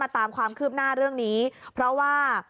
ตามความคืบหน้าเรื่องนี้เพราะว่า